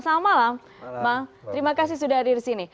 selamat malam bang terima kasih sudah hadir di sini